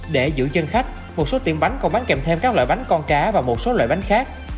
để giữ chân khách một số tiệm bánh còn bán kèm thêm các loại bánh con cá và một số loại bánh khác